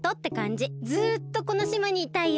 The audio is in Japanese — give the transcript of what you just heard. ずっとこのしまにいたいよ。